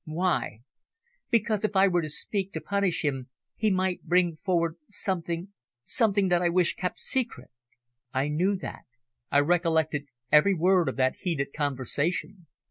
"Why?" "Because if I were to seek to punish him he might bring forward something something that I wish kept secret." I knew that, I recollected every word of that heated conversation.